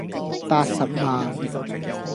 八十萬